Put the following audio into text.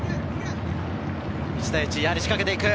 １対１、やはり仕掛けていく。